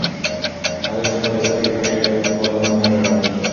هغې خپلې سترګې پټې کړې او په خپل ارمان یې وژړل.